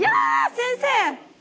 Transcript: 先生。